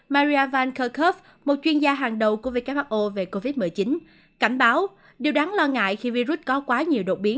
maria van kerkhove một chuyên gia hàng đầu của who về covid một mươi chín cảnh báo điều đáng lo ngại khi virus có quá nhiều đột biến